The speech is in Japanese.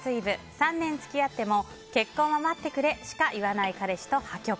３年付き合っても結婚は待ってくれしか言わない彼氏と破局。